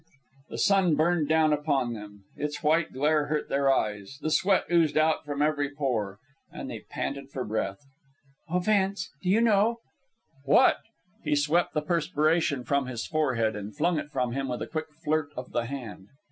The sun burned down upon them. Its white glare hurt their eyes, the sweat oozed out from every pore, and they panted for breath. "Oh, Vance, do you know ..." "What?" He swept the perspiration from his forehead and flung it from him with a quick flirt of the hand.